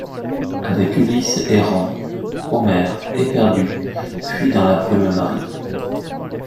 Avec Ulysse errant, Homère éperdu fuit dans la brume marine.